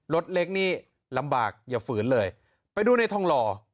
รถเล็กนี่ลำบากอย่าฝืนเลยไปดูในทองหล่อ